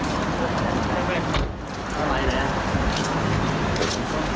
สวัสดีครับ